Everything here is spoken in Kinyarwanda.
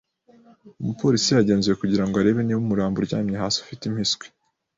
Umupolisi yagenzuye kugira ngo arebe niba umurambo uryamye hasi ufite impiswi.